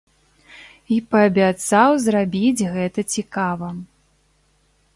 І паабяцаў зрабіць гэта цікава.